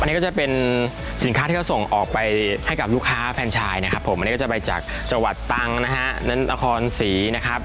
อันนี้ก็จะเป็นสินค้าที่เขาส่งออกไปให้กับลูกค้าแฟนชายนะครับผมอันนี้ก็จะไปจากจังหวัดตังนะฮะนครศรีนะครับ